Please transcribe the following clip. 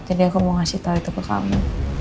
jadi aku mau kasih tau itu ke kamu